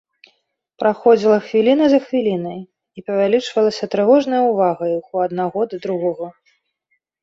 Праходзілі хвіліна за хвілінай, і павялічвалася трывожная ўвага іх у аднаго да другога.